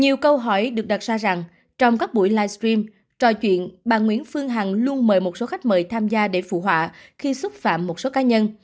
nhiều câu hỏi được đặt ra rằng trong các buổi livestream trò chuyện bà nguyễn phương hằng luôn mời một số khách mời tham gia để phụ họa khi xúc phạm một số cá nhân